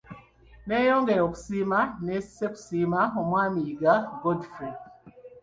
Neeyongera okusiima ne ssekusiima omwami Yiga Godfrey.